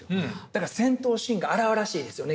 だから戦闘シーンが荒々しいですよね。